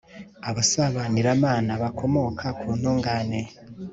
abasabaniramana bakomoka ku ntungane